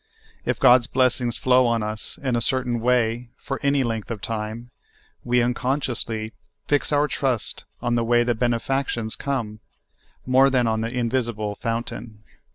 If God's blessings flow on us in a cer tain wa}', for any length of time, we unconsciously fix our trust on the w^ay the benefactions come, more than on the invisible fountain.